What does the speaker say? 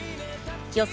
予想